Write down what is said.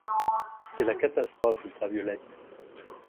C’est la catastrophe ultraviolette.